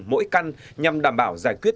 mỗi căn nhằm đảm bảo giải quyết